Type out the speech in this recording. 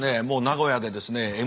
もう名古屋でですね